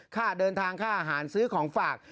ค่าเดินทางค่าอาหารซื้อของฝาก